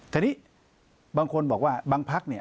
ทีนี้บางคนบอกว่าบางพักเนี่ย